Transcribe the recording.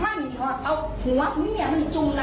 เมียจงสิค่ะยังเป็นมาฟังสัตว์เผยงค่ะหมอมันจะออกมาล่ะ